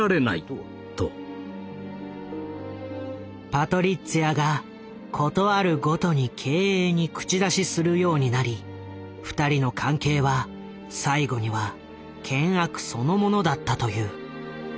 パトリッツィアが事あるごとに経営に口出しするようになり２人の関係は最後には険悪そのものだったという。